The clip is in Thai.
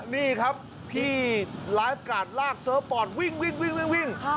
นี่ครับที่ไลฟ์การ์ดลากเซิร์ฟปอร์ตวิ่ง